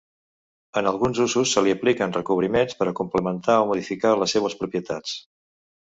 En alguns usos, se li apliquen recobriments per a complementar o modificar les seues propietats.